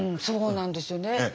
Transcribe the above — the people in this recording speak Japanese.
うんそうなんですよね。